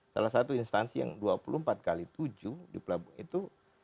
salah satu instansi yang dua puluh empat x tujuh di pelabuhan itu